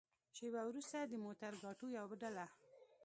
شېبه وروسته د موترګاټو يوه ډله.